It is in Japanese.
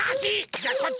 じゃこっち！